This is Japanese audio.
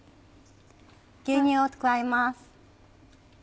牛乳を加えます。